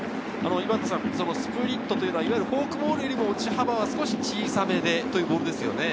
スプリットというのはフォークボールよりも落ち幅は少し小さめでというボールですね。